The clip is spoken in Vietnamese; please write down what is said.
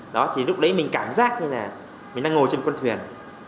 đó thì lúc đấy mình cảm giác như là mình đang ngồi trên con thuyền